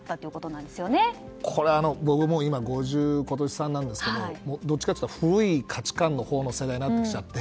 僕も今年５３なんですけどどっちかっていうと古い価値観のほうの世代になってきちゃって。